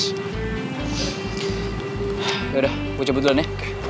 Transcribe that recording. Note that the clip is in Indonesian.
yaudah gue cabut dulu ya